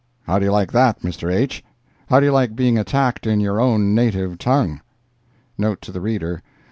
How do you like that, Mr. H.? How do you like being attacked in your own native tongue? [NOTE TO THE READER.